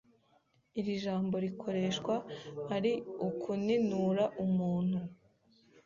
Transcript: Iri jambo rikoreshwa ari ukuninura umuntu